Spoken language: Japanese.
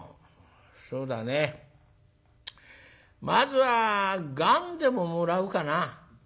「そうだねまずはがんでももらうかな」。